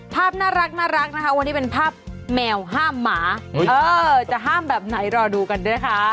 ภาพน่ารักนะคะวันนี้เป็นภาพแมวห้ามหมาจะห้ามแบบไหนรอดูกันด้วยค่ะ